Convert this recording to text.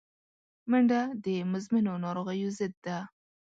منډه د مزمنو ناروغیو ضد ده